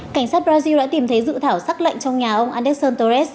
cảnh sát brazil đã tìm thấy dự thảo sắc lệnh trong nhà ông anderson torres